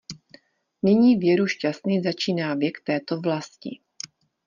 Nyní věru šťastný začíná věk této vlasti.